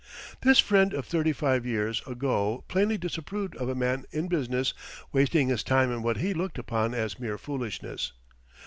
This friend of thirty five years ago plainly disapproved of a man in business wasting his time on what he looked upon as mere foolishness.